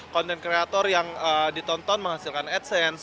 konten kreator yang ditonton menghasilkan adsense